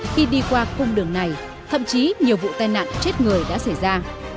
khi đi qua cung đường này thậm chí nhiều vụ tai nạn chết người đã xảy ra